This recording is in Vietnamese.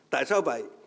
tại sao vậy